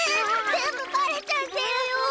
ぜんぶばれちゃってるよ！